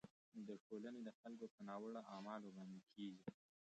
د ټولنې د خلکو په ناوړه اعمالو باندې کیږي.